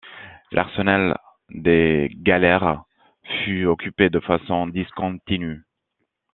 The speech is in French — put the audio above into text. L'arsenal des galères fut occupé de façon discontinue.